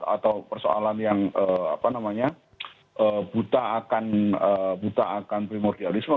atau persoalan yang apa namanya buta akan primordialisme